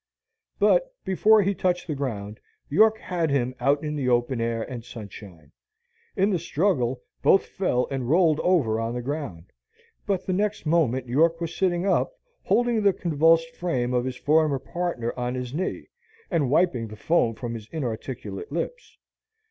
But before he touched the ground, York had him out into the open air and sunshine. In the struggle, both fell and rolled over on the ground. But the next moment York was sitting up, holding the convulsed frame of his former partner on his knee, and wiping the foam from his inarticulate lips.